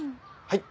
はい。